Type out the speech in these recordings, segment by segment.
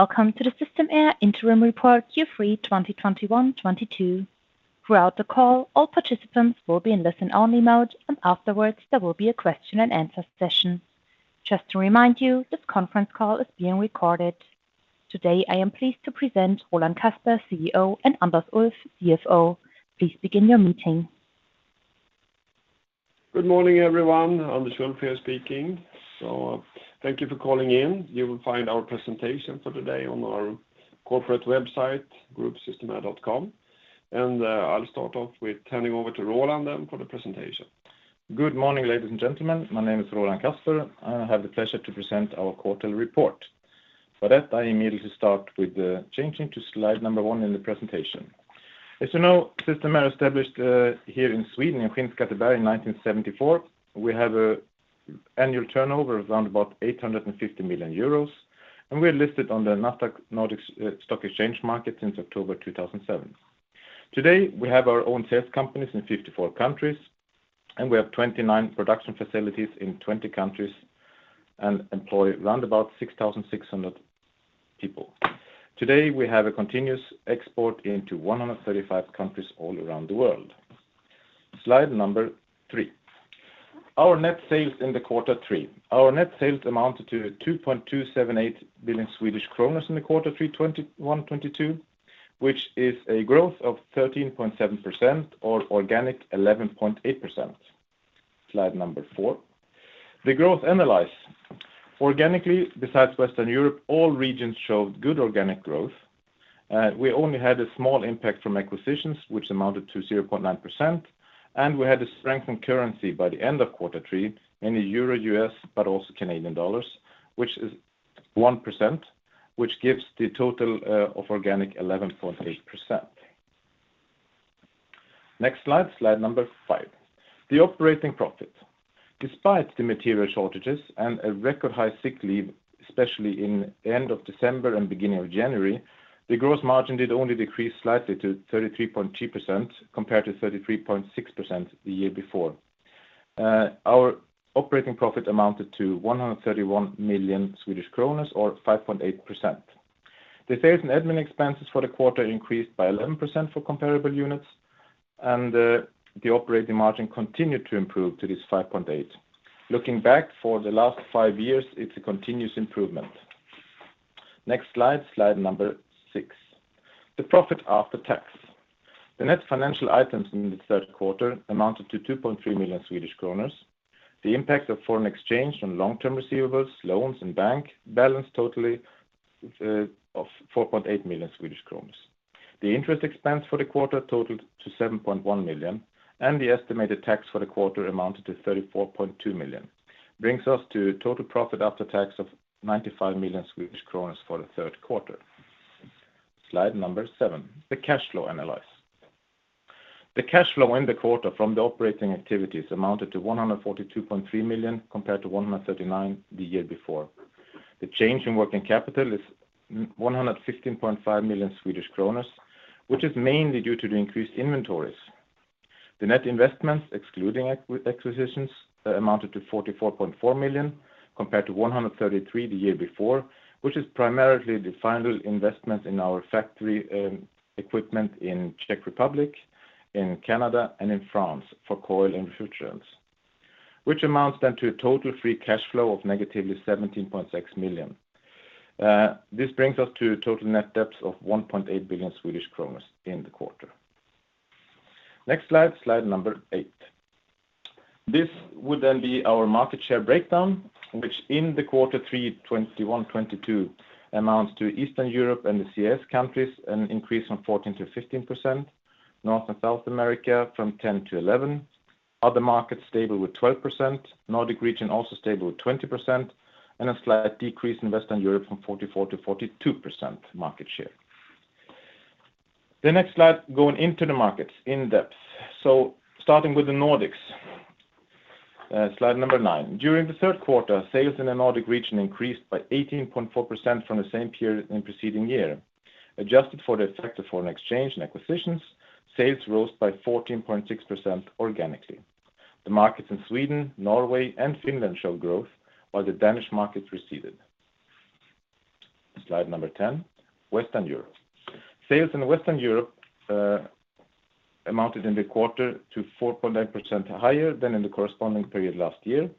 Welcome to the Systemair Interim Report Q3 2021/22. Throughout the call, all participants will be in listen only mode, and afterwards there will be a question-and-answer session. Just to remind you, this conference call is being recorded. Today, I am pleased to present Roland Kasper, CEO, and Anders Ulff, CFO. Please begin your meeting. Good morning, everyone. Anders Ulff here speaking. Thank you for calling in. You will find our presentation for today on our corporate website, group.systemair.com. I'll start off with turning over to Roland then for the presentation. Good morning, ladies and gentlemen. My name is Roland Kasper. I have the pleasure to present our quarter report. For that, I immediately start with changing to slide number 1 in the presentation. As you know, Systemair established here in Sweden, in Skinnskatteberg in 1974. We have a annual turnover of around about 850 million euros, and we're listed on the Nasdaq Nordic Stock Exchange market since October 2007. Today, we have our own sales companies in 54 countries, and we have 29 production facilities in 20 countries and employ round about 6,600 people. Today, we have a continuous export into 135 countries all around the world. Slide number 3. Our net sales in the quarter three. Our net sales amounted to 2.278 billion Swedish kronor in quarter three 2021/22, which is a growth of 13.7% or organic 11.8%. Slide number 4. The growth analysis. Organically, besides Western Europe, all regions showed good organic growth. We only had a small impact from acquisitions, which amounted to 0.9%, and we had a strengthened currency by the end of quarter three in the euro, U.S., but also Canadian dollars, which is 1%, which gives the total of organic 11.8%. Next slide number 5. The operating profit. Despite the material shortages and a record high sick leave, especially in end of December and beginning of January, the gross margin did only decrease slightly to 33.2% compared to 33.6% the year before. Our operating profit amounted to 131 million Swedish kronor or 5.8%. The sales and admin expenses for the quarter increased by 11% for comparable units, and the operating margin continued to improve to this 5.8%. Looking back for the last five years, it's a continuous improvement. Next slide number 6. The profit after tax. The net financial items in the third quarter amounted to 2.3 million Swedish kronor. The impact of foreign exchange on long-term receivables, loans, and bank balances totaled 4.8 million. The interest expense for the quarter totaled 7.1 million, and the estimated tax for the quarter amounted to 34.2 million brings us to total profit after tax of 95 million for the third quarter. Slide number 7, the cash flow analysis. The cash flow in the quarter from the operating activities amounted to 142.3 million compared to 139 million the year before. The change in working capital is 115.5 million Swedish kronor, which is mainly due to the increased inventories. The net investments, excluding acquisitions, amounted to 44.4 million compared to 133 million the year before, which is primarily the final investment in our factory equipment in Czech Republic, in Canada, and in France for coil and filters, which amounts then to a total free cash flow of -17.6 million. This brings us to total net debt of 1.8 billion in the quarter. Next slide number 8. This would then be our market share breakdown, which in quarter three 2021, 2022 amounts to Eastern Europe and the CIS countries, an increase from 14%-15%, North and South America from 10%-11%, other markets stable with 12%, Nordic region also stable with 20%, and a slight decrease in Western Europe from 44%-42% market share. The next slide going into the markets in depth. Starting with the Nordics, slide 9. During the third quarter, sales in the Nordic region increased by 18.4% from the same period in the preceding year. Adjusted for the effect of foreign exchange and acquisitions, sales rose by 14.6% organically. The markets in Sweden, Norway, and Finland showed growth while the Danish market receded. Slide 10, Western Europe. Sales in Western Europe amounted in the quarter to 4.9% higher than in the corresponding period last year.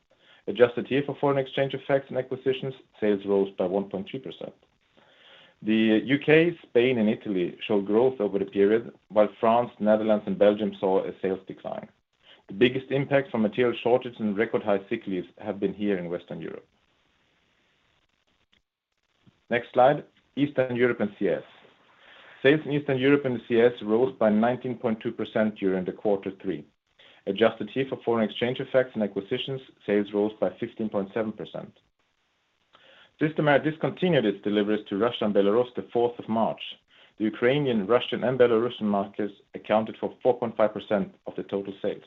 Adjusted here for foreign exchange effects and acquisitions, sales rose by 1.2%. The U.K., Spain, and Italy showed growth over the period, while France, Netherlands, and Belgium saw a sales decline. The biggest impact from material shortage and record high sick leaves have been here in Western Europe. Next slide, Eastern Europe and CIS. Sales in Eastern Europe and the CIS rose by 19.2% during the quarter three. Adjusted here for foreign exchange effects and acquisitions, sales rose by 15.7%. Systemair discontinued its deliveries to Russia and Belarus the fourth of March. The Ukrainian, Russian, and Belarusian markets accounted for 4.5% of the total sales.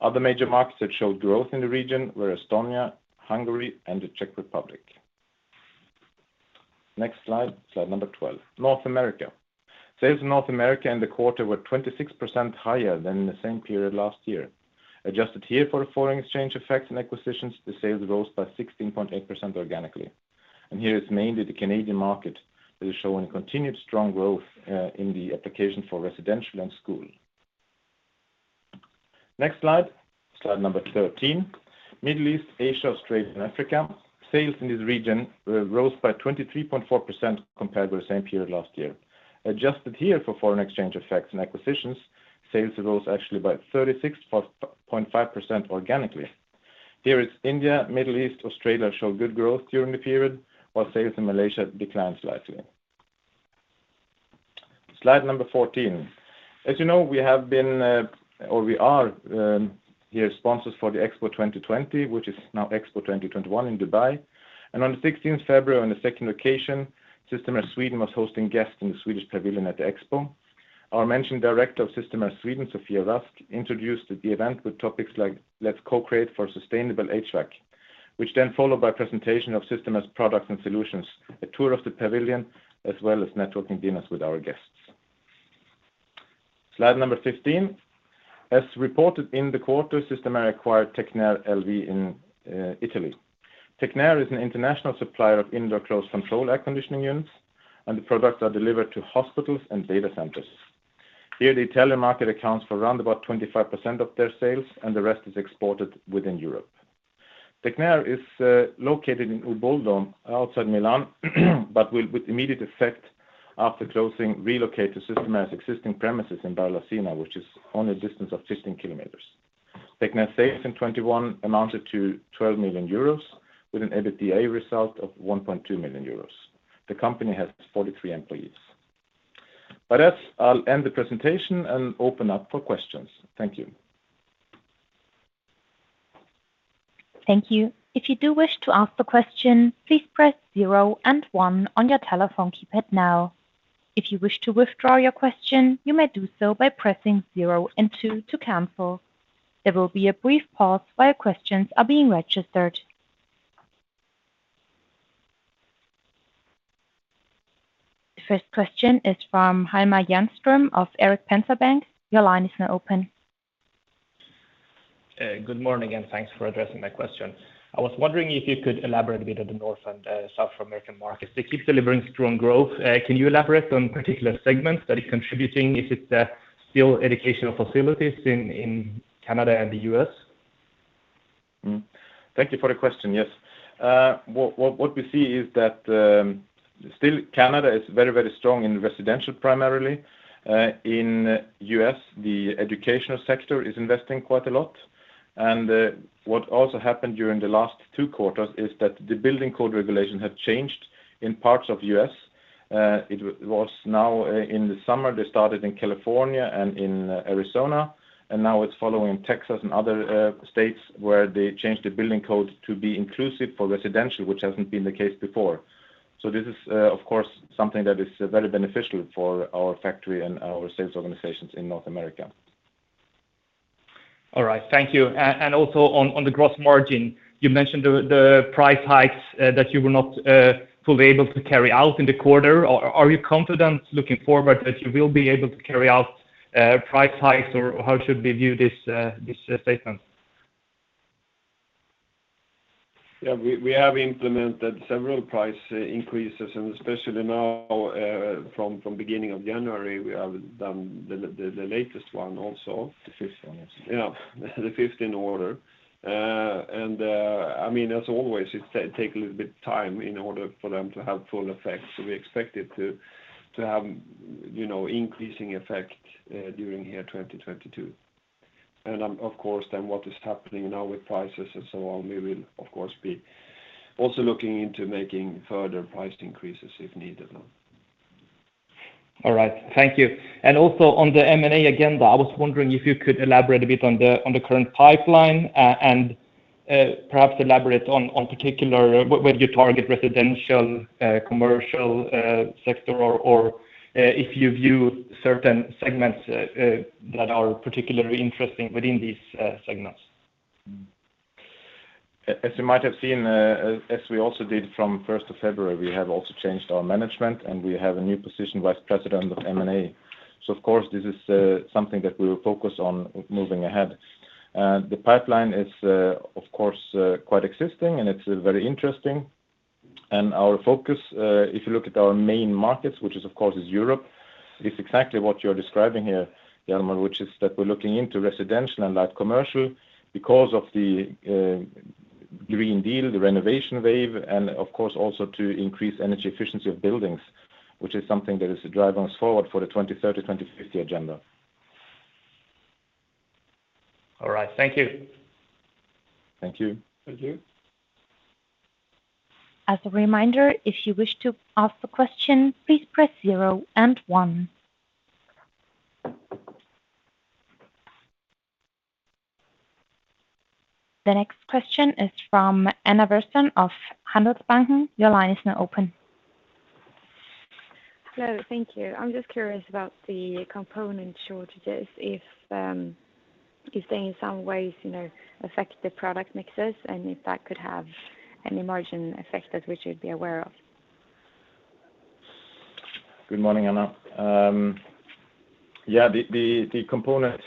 Other major markets that showed growth in the region were Estonia, Hungary, and the Czech Republic. Next slide number 12. North America. Sales in North America in the quarter were 26% higher than in the same period last year. Adjusted here for foreign exchange effects and acquisitions, the sales rose by 16.8% organically. Here it's mainly the Canadian market that is showing continued strong growth in the application for residential and school. Next slide number 13. Middle East, Asia, Australia, and Africa. Sales in this region rose by 23.4% compared with the same period last year. Adjusted here for foreign exchange effects and acquisitions, sales rose actually by 36.5% organically. Here it's India, Middle East, Australia show good growth during the period, while sales in Malaysia declined slightly. Slide number 14. As you know, we have been or we are the sponsors for the Expo 2020, which is now Expo 2021 in Dubai. On the 16th February, on the second occasion, Systemair Sweden was hosting guests in the Swedish Pavilion at the Expo. Our Managing Director of Systemair Sweden, Sofia Rask, introduced the event with topics like Let's Co-Create for Sustainable HVAC, which then followed by presentation of Systemair's products and solutions, a tour of the pavilion, as well as networking dinners with our guests. Slide number 15. As reported in the quarter, Systemair acquired Tecnair LV in Italy. Tecnair is an international supplier of indoor close control air conditioning units, and the products are delivered to hospitals and data centers. Here, the Italian market accounts for around about 25% of their sales, and the rest is exported within Europe. Tecnair is located in Uboldo, outside Milan, but will with immediate effect after closing, relocate to Systemair's existing premises in Buccinasco, which is only a distance of 15 km. Tecnair sales in 2021 amounted to 12 million euros with an EBITDA result of 1.2 million euros. The company has 43 employees. By that, I'll end the presentation and open up for questions. Thank you. Thank you. The first question is from Hjalmar Jernström of Erik Penser Bank. Your line is now open. Good morning, and thanks for addressing my question. I was wondering if you could elaborate a bit on the North and South American markets. They keep delivering strong growth. Can you elaborate on particular segments that are contributing? Is it still educational facilities in Canada and the U.S.? Thank you for the question. Yes. What we see is that still, Canada is very strong in residential, primarily. In the U.S., the educational sector is investing quite a lot. What also happened during the last two quarters is that the building code regulations have changed in parts of the U.S. It was now in the summer, they started in California and in Arizona, and now it's following Texas and other states where they changed the building code to be inclusive for residential, which hasn't been the case before. This is, of course, something that is very beneficial for our factory and our sales organizations in North America. All right. Thank you. Also on the gross margin, you mentioned the price hikes that you were not fully able to carry out in the quarter. Are you confident looking forward that you will be able to carry out price hikes, or how should we view this statement? Yeah. We have implemented several price increases, and especially now, from beginning of January, we have done the latest one also. The fifth one, yes. Yeah. The fifth in order. I mean, as always, it takes a little bit of time in order for them to have full effect. We expect it to have, you know, increasing effect during 2022. Of course, then what is happening now with prices and so on, we will of course be also looking into making further price increases if needed now. All right. Thank you. Also on the M&A agenda, I was wondering if you could elaborate a bit on the current pipeline and perhaps elaborate in particular whether you target residential, commercial sector or if you view certain segments that are particularly interesting within these segments. As you might have seen, as we also did from first of February, we have also changed our management, and we have a new position, Vice President of M&A. Of course, this is something that we will focus on moving ahead. The pipeline is, of course, quite exciting, and it's very interesting. Our focus, if you look at our main markets, which is of course Europe, is exactly what you're describing here, Hjalmar, which is that we're looking into residential and light commercial because of the Green Deal, the renovation wave, and of course also to increase energy efficiency of buildings, which is something that is driving us forward for the 2030, 2050 agenda. All right. Thank you. Thank you. Thank you. As a reminder, if you wish to ask a question, please press zero and one. The next question is from Anna Widström of Handelsbanken. Your line is now open. Hello. Thank you. I'm just curious about the component shortages, if is there in some ways, you know, affect the product mixes and if that could have any margin effect that we should be aware of? Good morning, Anna. The component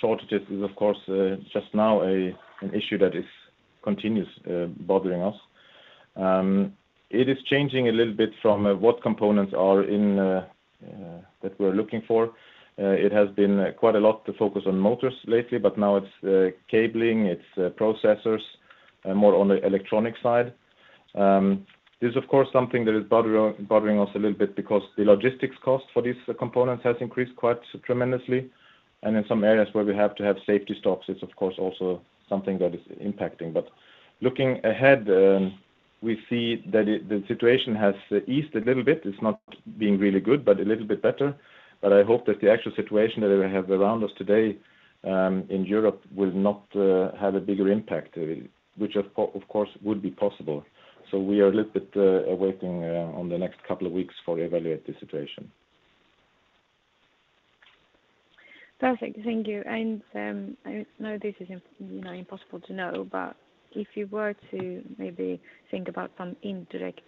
shortages is of course just now an issue that is continuous bothering us. It is changing a little bit from what components are in that we're looking for. It has been quite a lot to focus on motors lately, but now it's cabling, it's processors and more on the electronic side. This is of course something that is bothering us a little bit because the logistics cost for these components has increased quite tremendously. In some areas where we have to have safety stocks, it's of course also something that is impacting. Looking ahead, we see that the situation has eased a little bit. It's not being really good, but a little bit better. I hope that the actual situation that we have around us today, in Europe will not have a bigger impact, which of course would be possible. We are a little bit waiting on the next couple of weeks to evaluate the situation. Perfect. Thank you. I know this is, you know, impossible to know, but if you were to maybe think about some indirect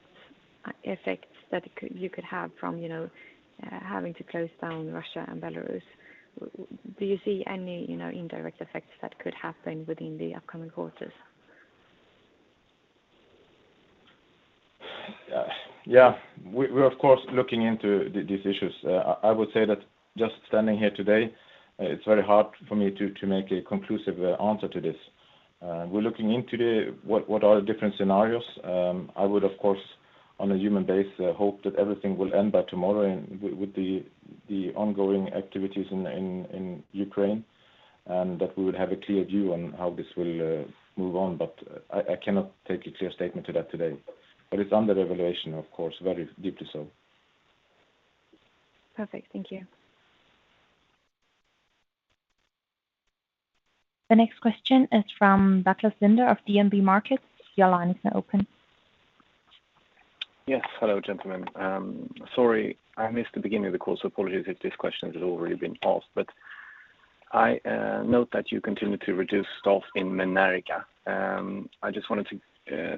effects you could have from, you know, having to close down Russia and Belarus, well, do you see any, you know, indirect effects that could happen within the upcoming quarters? Yeah. We're of course looking into these issues. I would say that just standing here today, it's very hard for me to make a conclusive answer to this. We're looking into what are the different scenarios. I would of course on a human basis hope that everything will end by tomorrow and with the ongoing activities in Ukraine, and that we would have a clear view on how this will move on. I cannot take a clear statement to that today, but it's under evaluation of course, very deeply so. Perfect. Thank you. The next question is from [Bertil Sindler] of DNB Markets. Your line is now open. Yes. Hello, gentlemen. Sorry, I missed the beginning of the call, so apologies if this question has already been asked. I note that you continue to reduce staff in Menerga. I just wanted to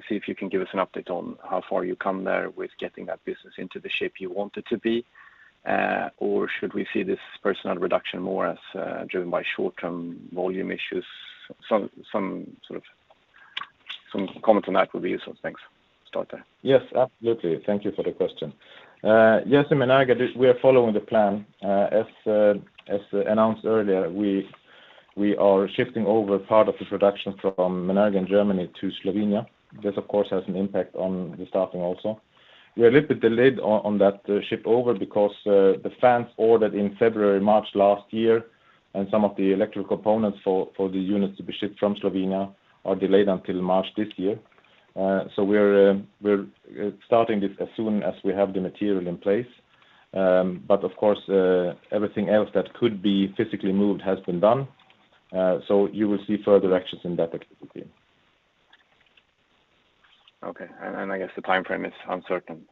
see if you can give us an update on how far you come there with getting that business into the shape you want it to be. Or should we see this personal reduction more as driven by short term volume issues? Some sort of comment on that would be useful. Thanks. Start there. Yes, absolutely. Thank you for the question. Yes, in Menerga, we are following the plan. As announced earlier, we are shifting over part of the production from Menerga in Germany to Slovenia. This of course has an impact on the staffing also. We are a little bit delayed on that shift over because the fans ordered in February, March last year and some of the electric components for the units to be shipped from Slovenia are delayed until March this year. We're starting this as soon as we have the material in place. Of course, everything else that could be physically moved has been done. You will see further actions in that activity. Okay. I guess the timeframe is uncertain.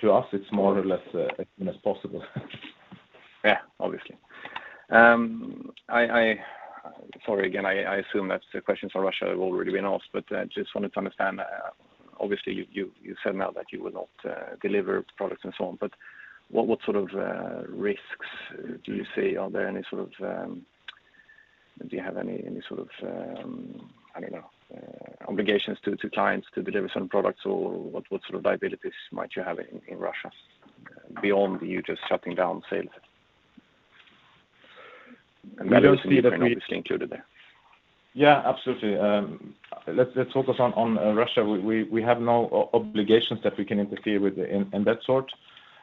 To us it's more or less as soon as possible. Obviously. Sorry again, I assume that the questions for Russia have already been asked, but I just wanted to understand. Obviously, you said now that you will not deliver products and so on, but what sort of risks do you see? Do you have any sort of, I don't know, obligations to clients to deliver certain products or what sort of liabilities might you have in Russia beyond you just shutting down sales? We don't see that. Belarus and Ukraine obviously included there. Yeah, absolutely. Let's focus on Russia. We have no obligations that we can interfere with in that sort.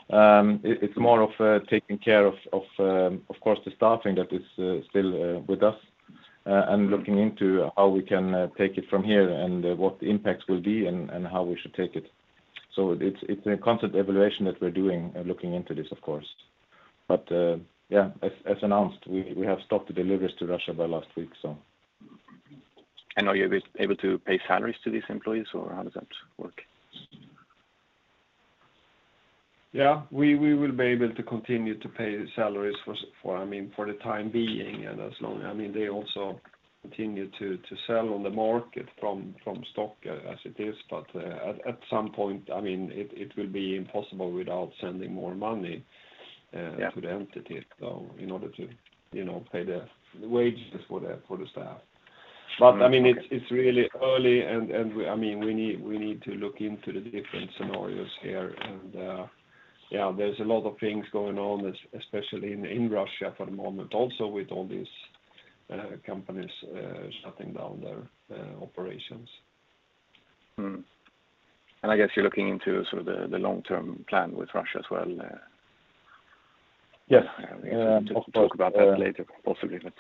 It's more of taking care of course, the staffing that is still with us and looking into how we can take it from here and what the impact will be and how we should take it. It's a constant evaluation that we're doing, looking into this of course. As announced, we have stopped the deliveries to Russia by last week, so. Are you able to pay salaries to these employees or how does that work? Yeah, we will be able to continue to pay salaries for, I mean, for the time being. I mean, they also continue to sell on the market from stock as it is. At some point, I mean, it will be impossible without sending more money- Yeah. -to the entity in order to, you know, pay the wages for the staff. Okay. I mean, it's really early and I mean, we need to look into the different scenarios here and yeah, there's a lot of things going on especially in Russia for the moment, also with all these companies shutting down their operations. I guess you're looking into sort of the long-term plan with Russia as well? Yes. We can talk about that later, possibly, but.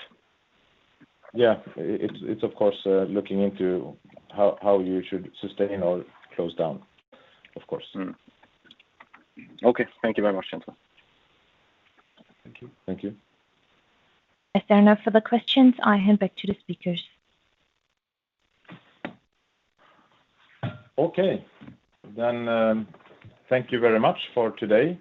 Yeah. It's of course looking into how you should sustain or close down of course. Okay. Thank you very much, gentlemen. Thank you. If there are no further questions, I hand back to the speakers. Okay. Thank you very much for today.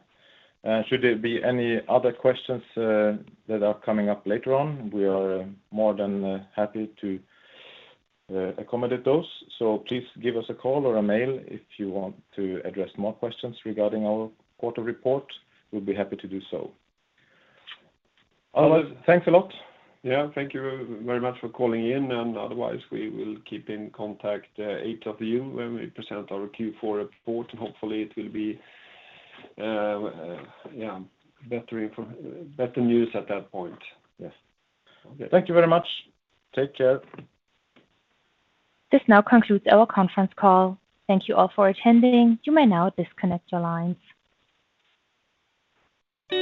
Should there be any other questions that are coming up later on, we are more than happy to accommodate those. Please give us a call or a mail if you want to address more questions regarding our quarter report. We'll be happy to do so. Otherwise, thanks a lot. Yeah. Thank you very much for calling in, and otherwise we will keep in contact each of you when we present our Q4 report. Hopefully it'll be better news at that point. Yes. Okay. Thank you very much. Take care. This now concludes our conference call. Thank you all for attending. You may now disconnect your lines.